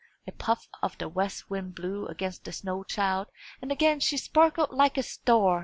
A puff of the west wind blew against the snow child, and again she sparkled like a star.